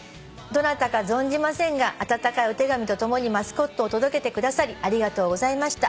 「どなたか存じませんが温かいお手紙とともにマスコットを届けてくださりありがとうございました」